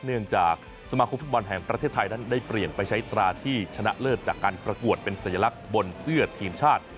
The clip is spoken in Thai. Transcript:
เนื่องจากสมาคมฟุตบอลแห่งประเทศไทยนั้นได้เปลี่ยนไปใช้ตราที่ชนะเลิศจากการประกวดเป็นสัญลักษณ์บนเสื้อทีมชาติ